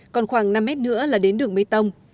còn khoảng năm mét nữa là đến đường mây tông